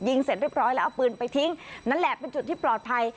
เสร็จเรียบร้อยแล้วเอาปืนไปทิ้งนั่นแหละเป็นจุดที่ปลอดภัย